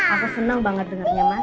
aku senang banget dengarnya mas